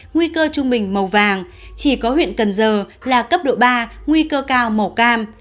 nguy cơ trung bình màu vàng chỉ có huyện cần giờ là cấp độ ba nguy cơ cao màu cam